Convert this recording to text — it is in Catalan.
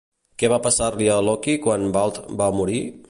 Què va passar-li a Loki quan Baldr va morir?